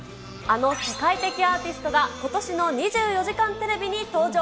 あの世界的アーティストが、ことしの２４時間テレビに登場。